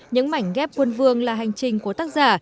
những mảnh ghép quân vương là hành trình của tác giả